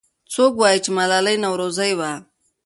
څوک وایي چې ملالۍ نورزۍ وه؟